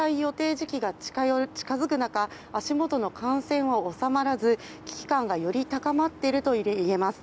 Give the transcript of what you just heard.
時期が近付く中足元の感染は収まらず危機感がより高まっているといえます。